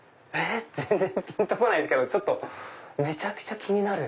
全然ピンと来ないですけどめちゃくちゃ気になる。